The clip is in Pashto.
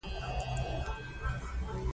کله کله تورکى هم راسره ږغېده.